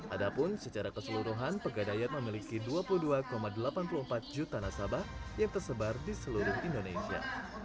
ada pun secara keseluruhan pegadaian memiliki dua puluh dua delapan puluh empat juta nasabah yang tersebar di seluruh indonesia